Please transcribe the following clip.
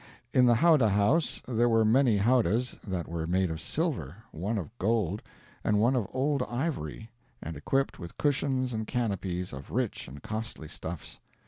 In the howdah house there were many howdahs that were made of silver, one of gold, and one of old ivory, and equipped with cushions and canopies of rich and costly stuffs.